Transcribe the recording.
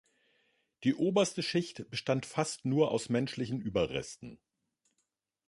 Die oberste Schicht bestand fast nur aus menschlichen Überresten.